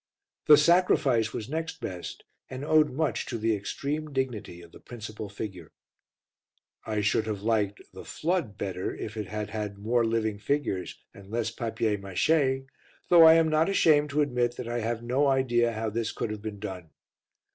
The Sacrifice was next best, and owed much to the extreme dignity of the principal figure. I should have liked The Flood better if it had had more living figures and less papier mache, though I am not ashamed to admit that I have no idea how this could have been done.